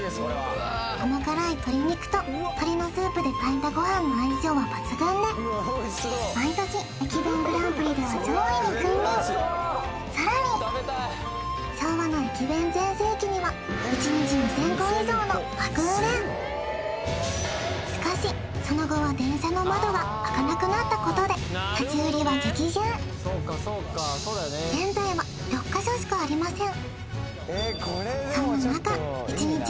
甘辛い鶏肉と鶏のスープで炊いたごはんの相性は抜群で毎年駅弁グランプリでは上位に君臨さらに昭和の駅弁全盛期には１日２０００個以上の爆売れしかしその後は電車の窓が開かなくなったことで立ち売りは激減現在は６か所しかありません